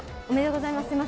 おめでとうございます。